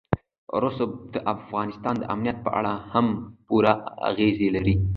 رسوب د افغانستان د امنیت په اړه هم پوره اغېز لري.